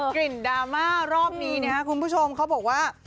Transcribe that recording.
ดราม่ารอบนี้นะครับคุณผู้ชมเขาบอกว่า